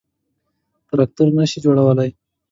_تراکتور نه شي جوړولای.